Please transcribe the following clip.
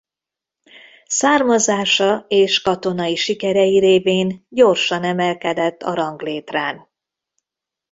Származása és katonai sikerei révén gyorsan emelkedett a ranglétrán.